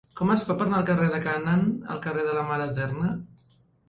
Com es fa per anar del carrer de Canaan al carrer de la Mare Eterna?